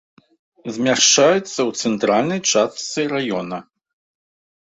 Змяшчаецца ў цэнтральнай частцы раёна.